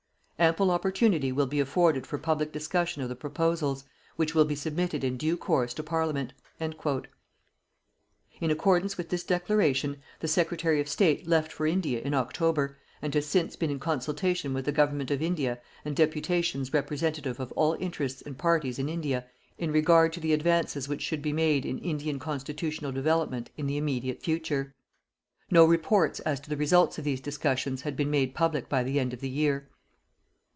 Ample opportunity will be afforded for public discussion of the proposals, which will be submitted in due course to Parliament." In accordance with this declaration, the Secretary of State left for India in October, and has since been in consultation with the Government of India and deputations representative of all interests and parties in India in regard to the advances which should be made in Indian constitutional development in the immediate future. No reports as to the results of these discussions had been made public by the end of the year.